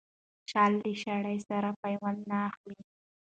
شال له شړۍ سره پيوند نه اخلي.